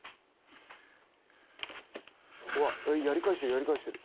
やり返してるやり返してる。